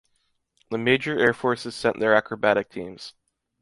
The major Air Forces sent their acrobatic teams.